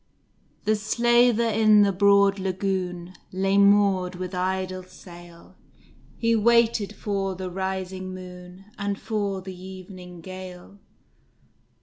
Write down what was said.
The Slaver in the broad lagoon Lay moored with idle sail; He waited for the rising moon, And for the evening gale.